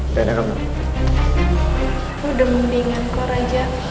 udah mendingan kok raja